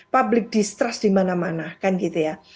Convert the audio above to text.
public distrust di mana mana kan gitu ya